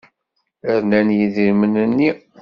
Rnan yidrimen-nni.